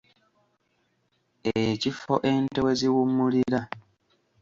Ekifo ente we ziwummulira.